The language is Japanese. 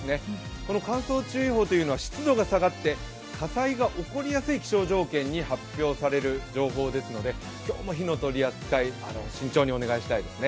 この乾燥注意報というのは湿度が下がって火災が起こりやすい気象条件で発表される警報ですので今日も火の取り扱い、慎重にお願いしたいですね。